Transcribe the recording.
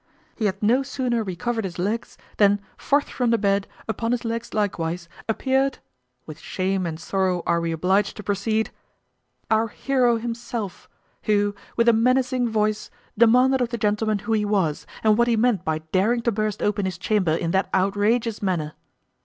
He had no sooner recovered his legs than forth from the bed, upon his legs likewise, appeared with shame and sorrow are we obliged to proceed our heroe himself, who, with a menacing voice, demanded of the gentleman who he was, and what he meant by daring to burst open his chamber in that outrageous manner.